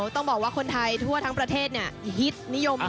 ต้องบอกว่าคนไทยทั่วทั้งประเทศเนี่ยฮิตนิยมขาดมาก